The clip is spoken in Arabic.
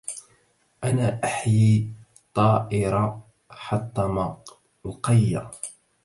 أنا أحيى كطائر حطم القي